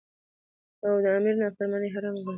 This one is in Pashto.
او د امیر نافرمانی یی حرامه ګرځولی ده.